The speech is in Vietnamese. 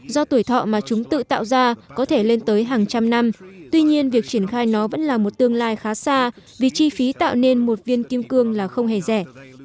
do tuổi thọ mà chúng tự tạo ra có thể lên tới hàng trăm năm tuy nhiên việc triển khai nó vẫn là một tương lai khá xa vì chi phí tạo nên một viên kim cương là không hề rẻ